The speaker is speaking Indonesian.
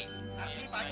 ngerti pak haji